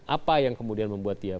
apa yang kemudian membuat dia